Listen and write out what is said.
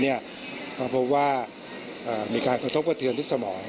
ก็พบว่ามีการกระทบกระเทือนที่สมอง